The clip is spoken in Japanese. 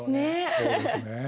そうですね。